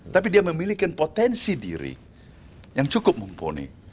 tapi dia memiliki potensi diri yang cukup mumpuni